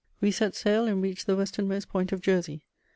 We set sail and reached the westernmost point of Jersey.